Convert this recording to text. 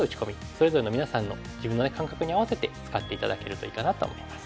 それぞれの皆さんの自分の感覚に合わせて使って頂けるといいかなと思います。